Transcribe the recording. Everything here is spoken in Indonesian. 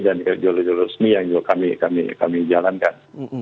dan jalur jalur resmi yang juga kami jalankan